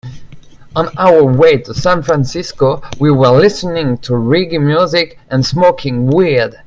On our way to San Francisco, we were listening to reggae music and smoking weed.